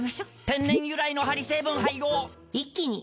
天然由来のハリ成分配合一気に！